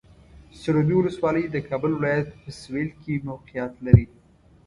سروبي ولسوالۍ د کابل ولایت په سویل کې موقعیت لري.